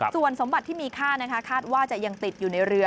ส่วนสมบัติที่มีค่านะคะคาดว่าจะยังติดอยู่ในเรือ